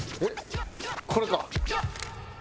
これか！